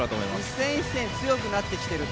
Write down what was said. １戦１戦強くなってきていると。